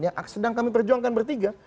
yang sedang kami perjuangkan bertiga